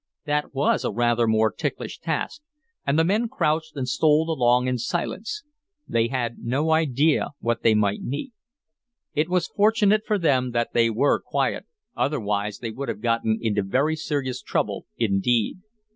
That was a rather more ticklish task, and the men crouched and stole along in silence. They had no idea what they might meet. It was fortunate for them that they were quiet. Otherwise they would have gotten into very serious trouble indeed.